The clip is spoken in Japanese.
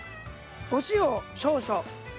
お塩少々。